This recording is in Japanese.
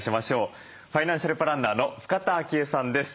ファイナンシャルプランナーの深田晶恵さんです。